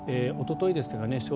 おとといですかね